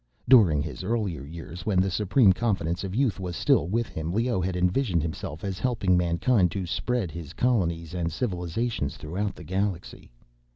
During his earlier years, when the supreme confidence of youth was still with him, Leoh had envisioned himself as helping mankind to spread his colonies and civilizations throughout the galaxy.